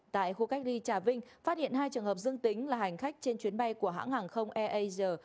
tại khu cách ly trà vinh phát hiện hai trường hợp dương tính là hành khách trên chuyến bay của hãng hàng không airasia